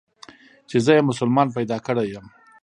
چې زه يې مسلمان پيدا کړى يم.